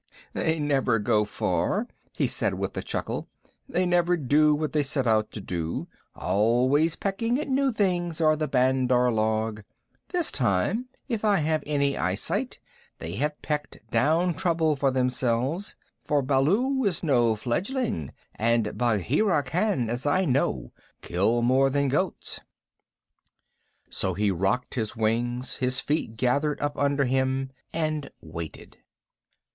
"They never go far," he said with a chuckle. "They never do what they set out to do. Always pecking at new things are the Bandar log. This time, if I have any eye sight, they have pecked down trouble for themselves, for Baloo is no fledgling and Bagheera can, as I know, kill more than goats." So he rocked on his wings, his feet gathered up under him, and waited.